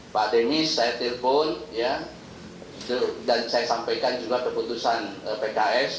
pak demi saya telepon dan saya sampaikan juga keputusan pks